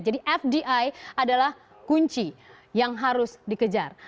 jadi fdi adalah kunci yang harus dikejar